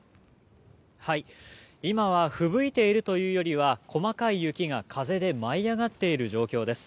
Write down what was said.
今はふぶいているというよりは細かい雪が風で舞い上がっている状況です。